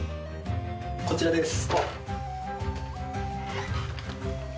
こちらです。